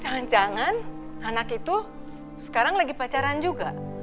jangan jangan anak itu sekarang lagi pacaran juga